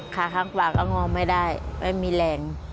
ขาข้างขวาก็งอไม่ได้ไม่มีแรง